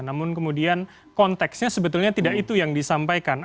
namun kemudian konteksnya sebetulnya tidak itu yang disampaikan